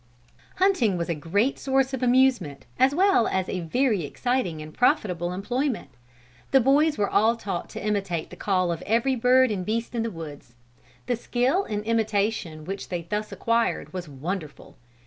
Hunting was a great source of amusement as well as a very exciting and profitable employment. The boys were all taught to imitate the call of every bird and beast in the woods. The skill in imitation which they thus acquired was wonderful.